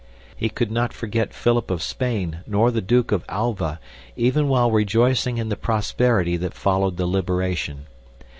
He could not forget Philip of Spain nor the Duke of Alva even while rejoicing in the prosperity that followed the Liberation.